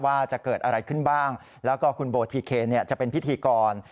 ว่าจะเกิดอะไรขึ้นบ้างแล้วก็คุณโบทีเคนจะเป็นพิธีกร